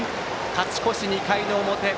勝ち越し、２回の表。